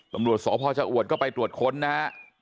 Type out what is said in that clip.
ตำรวจสพชะอวดก็ไปตรวจค้นนะฮะ